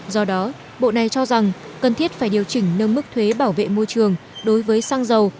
do đó bộ này cho rằng cần thiết phải điều chỉnh nâng mức thuế bảo vệ môi trường đối với xăng dầu